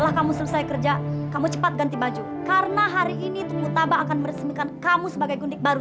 aku lebih baik mati daripada harus menyerahkan diri pada laki laki kejam seperti kamu